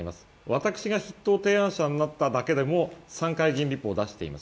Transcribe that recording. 私が筆頭提案者になっただけでも３回出しています。